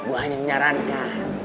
gue hanya menyarankan